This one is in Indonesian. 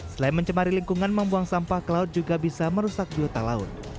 selain mencemari lingkungan membuang sampah ke laut juga bisa merusak juta laut